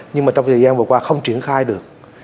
nhưng mà trong thời gian vừa qua không triển khai được